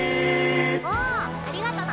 おありがとな！